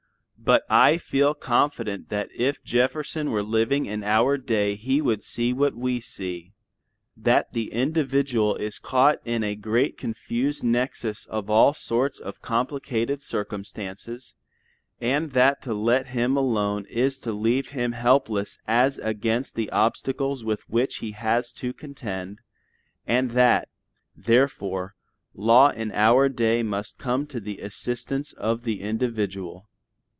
But I feel confident that if Jefferson were living in our day he would see what we see: that the individual is caught in a great confused nexus of all sorts of complicated circumstances, and that to let him alone is to leave him helpless as against the obstacles with which he has to contend; and that, therefore, law in our day must come to the assistance of the individual.